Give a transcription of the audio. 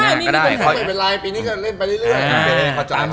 ก็ได้ปีนี้ก็เล่นไปเรื่อย